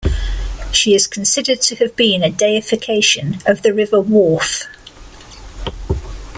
She is considered to have been a deification of the River Wharfe.